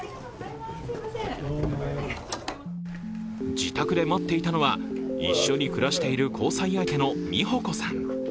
自宅で待っていたのは一緒に暮らしている交際相手の美保子さん。